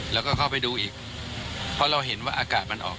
แล้วก็เข้าไปดูอีกเพราะเราเห็นว่าอากาศมันออก